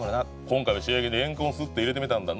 「今回は仕上げにレンコンを擦って入れてみたんだ」